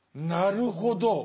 なるほど。